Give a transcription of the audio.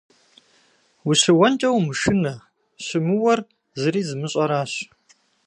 Ущыуэнкӏэ умышынэ, щымыуэр зыри зымыщӏэращ.